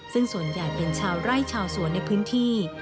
ซึ่งส่วนใหญ่เป็นชาวไร่ชาวสวนในพื้นที่